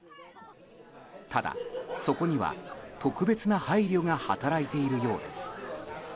ただ、そこには特別な配慮が働いているようです。